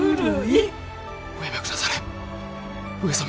おやめ下され上様。